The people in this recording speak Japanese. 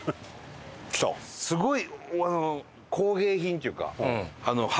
すごい。